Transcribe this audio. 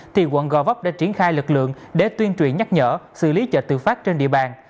thì quận gò vấp đã triển khai lực lượng để tuyên truyền nhắc nhở xử lý chợ tự phát trên địa bàn